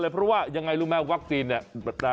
เพราะว่ายังไงรู้ไหมวัคซีนเนี่ย